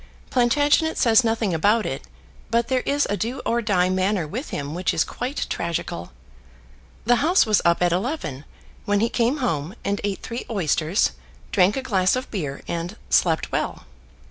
Plantagenet says nothing about it, but there is a do or die manner with him which is quite tragical. The House was up at eleven, when he came home and eat three oysters, drank a glass of beer, and slept well.